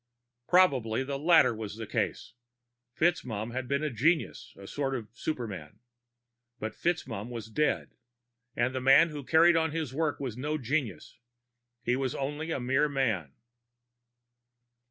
Probably, the latter was the case. FitzMaugham had been a genius, a sort of superman. But FitzMaugham was dead, and the man who carried on his work was no genius. He was only a mere man.